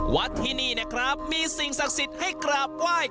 วัดที่นี่นะครับมีสิ่งศักดิ์สิทธิ์ให้กราบไหว้